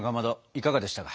いかがでしたか？